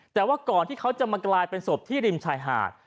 แต่ว่าก่อนที่เขาจะมากลายเป็นศพที่ริมชายหาด